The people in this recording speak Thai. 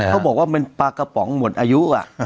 เขาบอกว่ามันปลากระป๋องหมดอายุ